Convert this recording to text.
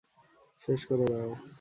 শেষ করে দাও।